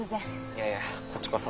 いやいやこっちこそ。